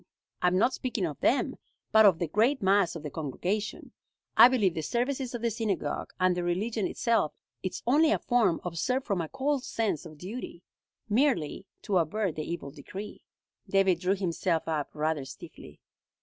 I am not speaking of them, but of the great mass of the congregation. I believe the services of the synagogue, and their religion itself, is only a form observed from a cold sense of duty, merely to avert the evil decree." David drew himself up rather stiffly.